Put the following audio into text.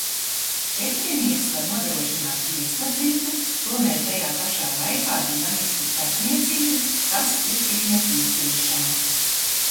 Četrinieks var nodrošināt piesardzīgu, tomēr tajā pašā laikā dinamisku starpniecību, kas ir tik nepieciešama.